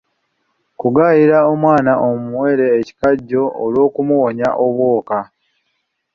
Kugaayira omwana omuwere ekikajjo olw'okumuwonya obwoka.